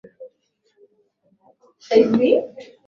Wanaume watano walikamatwa kutokana na mauaji hayo